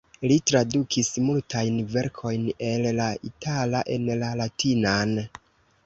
Li tradukis multajn verkojn el la itala en la latinan.